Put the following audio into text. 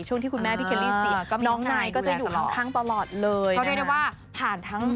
ช่วงที่คุณแม่พี่เคลลี่น้องนายก็จะอยู่ข้างปลอดเลยนะคะ